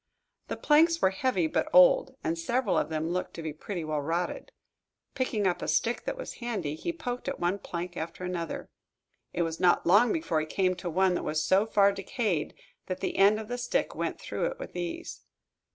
The planks were heavy but old, and several of them looked to be pretty well rotted. Picking up a stick that was handy, he poked at one plank after another. It was not long before he came to one that was so far decayed that the end of the stick went through it with ease.